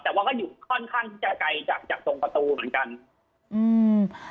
แต่ว่าก็อยู่ค่อนข้างที่จะไกลจากจากตรงประตูเหมือนกันอืม